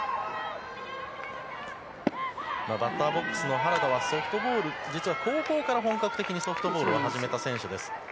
バッターボックスの原田は実は高校から本格的にソフトボールを始めた選手です。